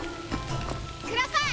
ください！